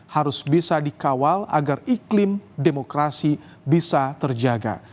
harus bisa dikawal agar iklim demokrasi bisa terjaga